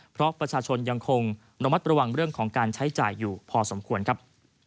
เพราะประชาชนยังคงระมัดระวังเรื่องของการใช้จ่ายอยู่พอสมควรครับ